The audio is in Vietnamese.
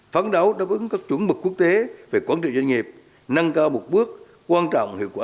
phán đấu đáp ứng các chuẩn mực quốc tế về quản trị doanh nghiệp nâng cao một bước quan trọng hiệu quả